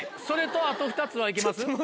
それとあと２つは行けます？